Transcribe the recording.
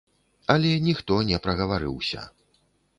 Але ніхто не прагаварыўся.